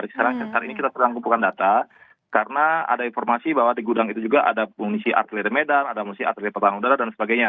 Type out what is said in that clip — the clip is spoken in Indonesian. sekarang ini kita sedang kumpulkan data karena ada informasi bahwa di gudang itu juga ada munisi artele medan ada musisi atlet pertahanan udara dan sebagainya